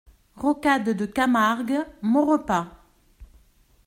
Rocade de Camargue, Maurepas